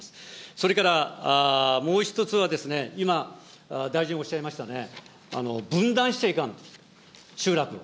それから、もう一つは、今、大臣おっしゃいましたね、分断しちゃいかんと、集落を。